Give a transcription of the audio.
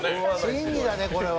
審議だね、これは。